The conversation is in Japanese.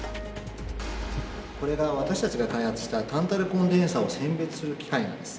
これが私たちが開発したタンタルコンデンサを選別する機械なんです。